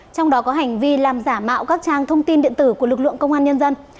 trong đó có hành vi làm giả mạo các trang thông tin điện tử của lực lượng công an nhân dân